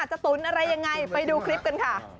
ตุ๋นอะไรยังไงไปดูคลิปกันค่ะ